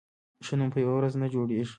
ښه نوم په یوه ورځ نه جوړېږي.